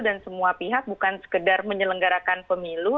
dan semua pihak bukan sekedar menyelenggarakan pemilu